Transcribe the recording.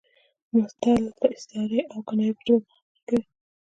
متل د استعارې او کنایې په ژبه خبرې کوي